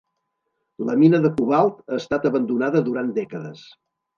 La mina de cobalt ha estat abandonada durant dècades.